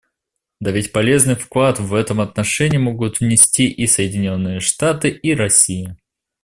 Да ведь полезный вклад в этом отношении могут внести и Соединенные Штаты и Россия.